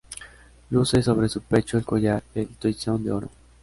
Luce sobre su pecho el collar del Toisón de Oro.